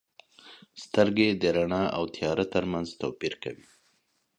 • سترګې د رڼا او تیاره ترمنځ توپیر کوي.